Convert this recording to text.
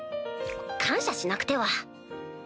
感謝しなくては